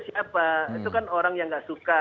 siapa itu kan orang yang gak suka